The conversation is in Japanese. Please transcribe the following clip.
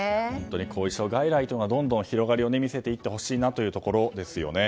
後遺症外来というのはどんどん広がりを見せていってほしいですね。